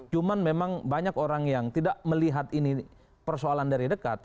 cuman memang banyak orang yang tidak melihat ini persoalan dari dekat